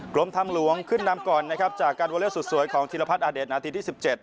กรมทางหลวงขึ้นนำก่อนนะครับจากการโวเลอร์สุดสวยของธีรพัฒนาเดชนาทีที่๑๗